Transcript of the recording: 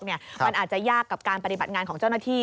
มันอาจจะยากกับการปฏิบัติงานของเจ้าหน้าที่